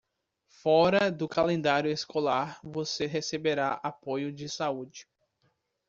Fora do calendário escolar, você receberá apoio de saúde.